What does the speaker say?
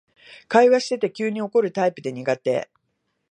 会話してて急に怒るタイプで苦手